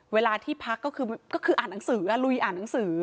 เวลาที่พักก็คืออ่านหนังสือลุยอ่านหนังสือ